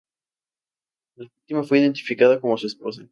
La víctima fue identificada como su esposa.